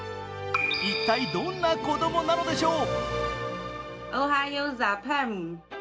一体どんな子供なのでしょう？